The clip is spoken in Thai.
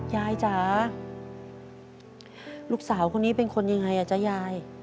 จ๋าลูกสาวคนนี้เป็นคนยังไงอ่ะจ๊ะยาย